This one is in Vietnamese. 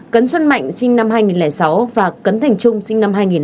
cấn xuân mạnh sinh năm hai nghìn sáu và cấn thành trung sinh năm hai nghìn